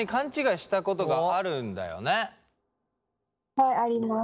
はいあります。